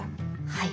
はい。